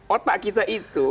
otak kita itu